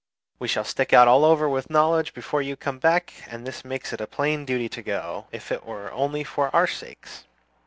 We shall stick out all over with knowledge before you come back; and this makes it a plain duty to go, if it were only for our sakes."